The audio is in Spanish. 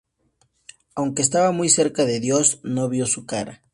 Aunque estaba muy cerca de Dios, no vio su cara.